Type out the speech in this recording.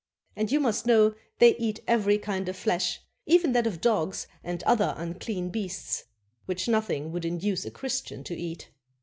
And you must know they eat every kind of flesh, even that of 124 A CHINESE CITY dogs and other unclean beasts, which nothing would induce a Christian to eat.